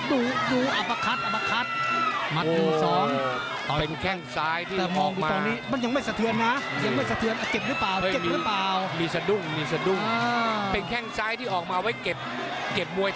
ดูดูอัพพะคัทอัพพะคัท